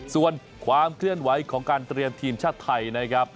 ส่วนความเคลื่อนไหวของการเตรียมทีมชาติไทยนะครับ